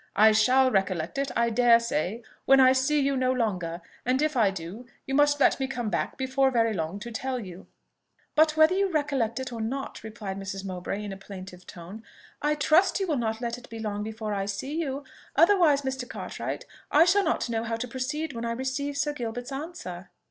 I shall recollect it, I dare say, when I see you no longer; and if I do, you must let me come back before very long to tell you." "But whether you recollect it or not," replied Mrs. Mowbray in a plaintive tone, "I trust you will not let it be long before I see you: otherwise, Mr. Cartwright, I shall not know how to proceed when I receive Sir Gilbert's answer."